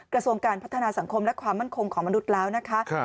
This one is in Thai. กระทรวงการพัฒนาสังคมและความมั่นคงของมนุษย์แล้วนะคะ